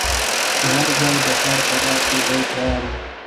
چي هر ځای به کار پیدا سو دی تیار وو